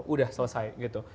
udah selesai gitu